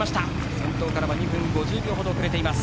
先頭からは２分５０秒程遅れています。